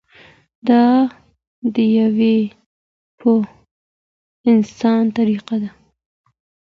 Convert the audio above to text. دا د یوه پوه انسان طریقه ده.